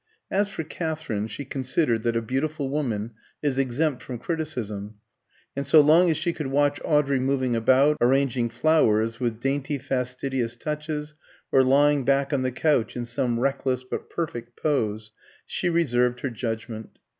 As for Katherine, she considered that a beautiful woman is exempt from criticism; and so long as she could watch Audrey moving about, arranging flowers with dainty fastidious touches, or lying back on the couch in some reckless but perfect pose, she reserved her judgment.